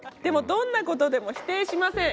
「どんなことでも否定しません！」。